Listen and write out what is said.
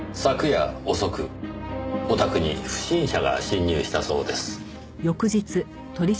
昨夜遅くお宅に不審者が侵入したそうです。